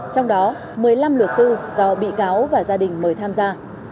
trong đó một mươi năm luật sư do bị cáo và gia đình mời tham gia